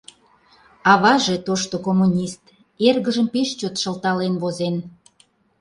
Аваже, тошто коммунист, эргыжым пеш чот шылтален возен.